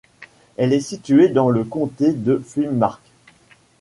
Elle est située dans le comté de Finnmark.